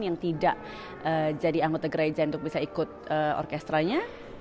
yang tidak jadi anggota gereja untuk bisa ikut orkestranya